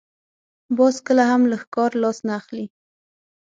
باز کله هم له ښکار لاس نه اخلي